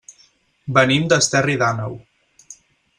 Venim d'Esterri d'Àneu.